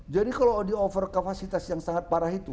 jadi kalau di over kapasitas yang sangat parah itu